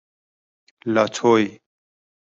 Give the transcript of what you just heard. لاتوی